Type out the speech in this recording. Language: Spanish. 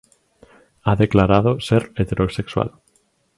Ha declarado ser heterosexual.